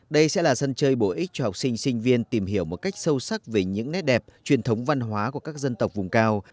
đây sẽ là sân chơi bổ ích cho học sinh sinh viên tìm hiểu một cách sâu sắc về những nét đẹp truyền thống văn hóa của các dân tộc vùng cao